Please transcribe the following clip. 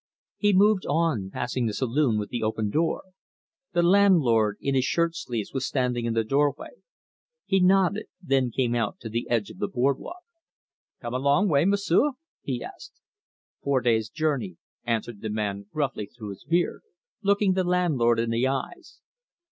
He moved on, passing the saloon with the open door. The landlord, in his shirt sleeves, was standing in the doorway. He nodded, then came out to the edge of the board walk. "Come a long way, M'sieu'?" he asked. "Four days' journey," answered the man gruffly through his beard, looking the landlord in the eyes.